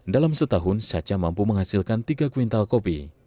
dalam setahun saca mampu menghasilkan tiga kuintal kopi